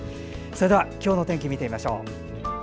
それでは今日の天気を見てみましょう。